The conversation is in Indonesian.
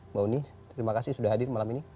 mbak uni terima kasih sudah hadir malam ini